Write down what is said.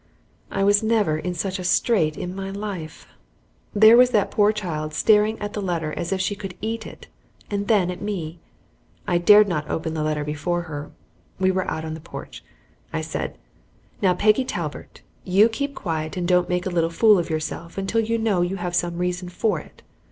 I was never in such a strait in my life. There was that poor child staring at the letter as if she could eat it, and then at me. I dared not open the letter before her. We were out on the porch. I said: "Now, Peggy Talbert, you keep quiet, and don't make a little fool of yourself until you know you have some reason for it.